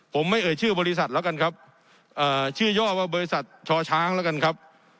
ผมไม่เอ่ยชื่อบริษัทแล้วกันครับชื่อย่อว่าบริษัทชอช้างแล้วกันครับ